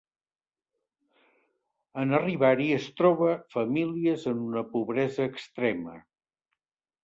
En arribar-hi es troba famílies en una pobresa extrema.